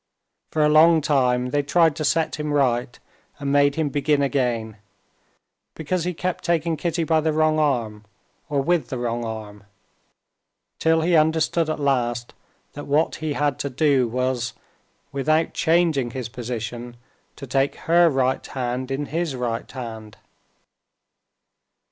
For a long time they tried to set him right and made him begin again—because he kept taking Kitty by the wrong arm or with the wrong arm—till he understood at last that what he had to do was, without changing his position, to take her right hand in his right hand.